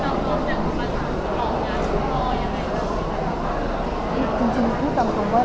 รู้สึกว่าคุณเป็นรักษณะครัวใช่ไหม